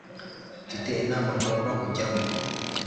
Mfite inama ngomba kujyamo.